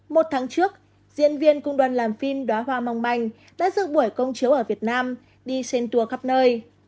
một tháng trước diễn viên cùng đoàn làm phim đóa hoa mong manh đã dựng buổi công chiếu ở việt nam đi sen tour khắp nơi